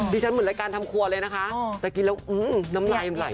ดีชั้นเหมือนรายการทำครัวเลยนะคะแต่กินแล้วอื้อน้ำไหล่ไหล่